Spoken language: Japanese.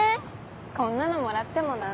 こんなのもらってもな。